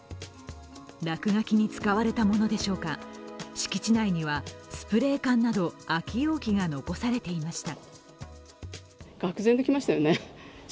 落書きに使われたものでしょうか、敷地内にはスプレー缶など空き容器が残されていました。